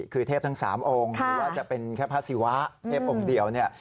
คือเทพทั้ง๓องค์หรือว่าจะเป็นแค่พระศิวะเทพองค์เดียวเนี่ย